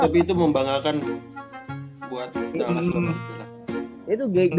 tapi itu membanggakan buat dallas loh mas kita